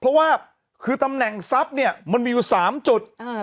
เพราะว่าคือตำแหน่งทรัพย์เนี่ยมันมีอยู่๓จุด